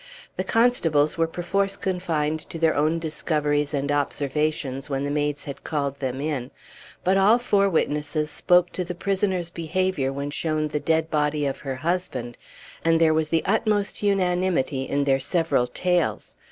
The constables were perforce confined to their own discoveries and observations when the maids had called them in. But all four witnesses spoke to the prisoner's behavior when shown the dead body of her husband, and there was the utmost unanimity in their several tales.